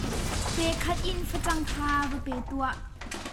Pei khat in facang kha va pe tuah.